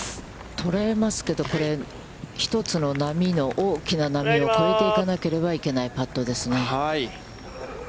捉えますけれども、これ、１つの波の、大きな波を越えていかなければいけないパットですよね。